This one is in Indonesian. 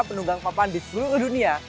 penunggang papan di seluruh dunia